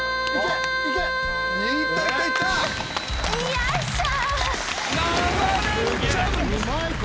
よっしゃー！